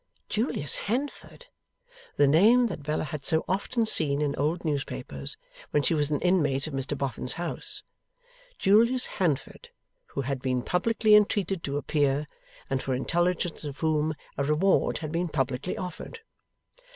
Julius Handford! The name that Bella had so often seen in old newspapers, when she was an inmate of Mr Boffin's house! Julius Handford, who had been publicly entreated to appear, and for intelligence of whom a reward had been publicly offered!